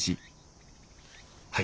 はい。